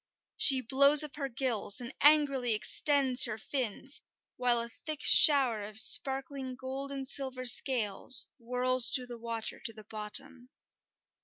She blows up her gills and angrily extends her fins, while a thick shower of sparkling gold and silver scales whirls through the water to the bottom.